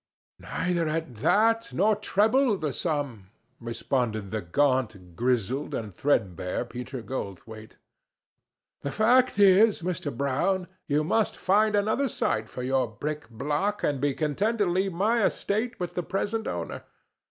"Neither at that, nor treble the sum," responded the gaunt, grizzled and threadbare Peter Goldthwaite. "The fact is, Mr. Brown, you must find another site for your brick block and be content to leave my estate with the present owner.